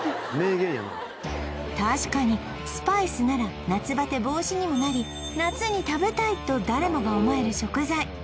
確かにスパイスなら夏バテ防止にもなり夏に食べたいと誰もが思える食材